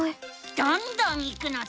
どんどんいくのさ！